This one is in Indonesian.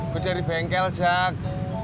gue dari bengkel zak